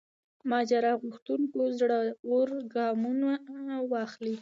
ماجرا غوښتونکو زړه ور ګامونه واخلي.